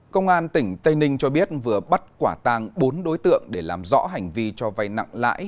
công an tỉnh tây ninh cho biết vừa bắt quả tàng bốn đối tượng để làm rõ hành vi cho vay nặng lãi